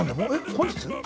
本日？